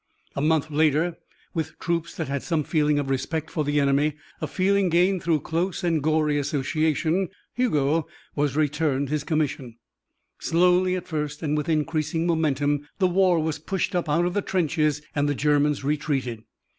A month later, with troops that had some feeling of respect for the enemy a feeling gained through close and gory association Hugo was returned his commission. Slowly at first, and with increasing momentum, the war was pushed up out of the trenches and the Germans retreated.